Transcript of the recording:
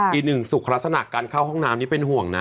อีกหนึ่งสุขลักษณะการเข้าห้องน้ำนี่เป็นห่วงนะ